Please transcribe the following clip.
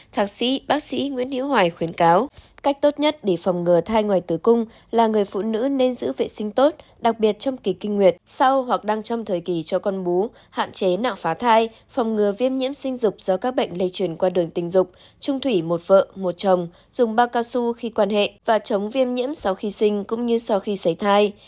thạc sĩ bác sĩ nguyễn hiếu hoài khuyến cáo cách tốt nhất để phòng ngừa thai ngoài tứ cung là người phụ nữ nên giữ vệ sinh tốt đặc biệt trong kỳ kinh nguyệt sau hoặc đang trong thời kỳ cho con bú hạn chế nạng phá thai phòng ngừa viêm nhiễm sinh dục do các bệnh lây truyền qua đường tình dục trung thủy một vợ một chồng dùng bao cao su khi quan hệ và chống viêm nhiễm sau khi sinh cũng như sau khi xảy thai